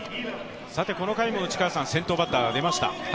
さてこの回も先頭バッターが出ました。